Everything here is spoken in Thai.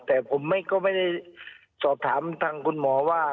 แต่ผมก็ไม่ได้สอบถามทางคุณหมอว่า